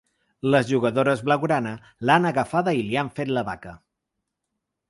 Les jugadores blau-grana l’han agafada i li han fet la baca.